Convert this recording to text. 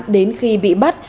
đến khi bị bắt